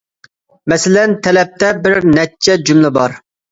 مەسىلەن تەلەپتە بىر نەچچە جۈملە بار.